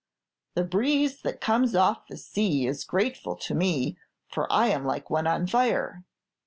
'The breeze that comes off the sea is grateful to me, for I am like one on fire.'